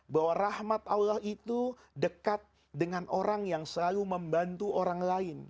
bahwa rahmat allah itu dekat dengan orang yang selalu membantu orang lain